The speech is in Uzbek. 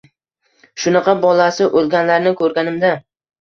shunaqa bolasi o‘lganlarni ko‘rganimda...